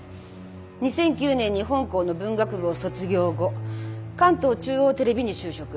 ２００９年に本校の文学部を卒業後関東中央テレビに就職。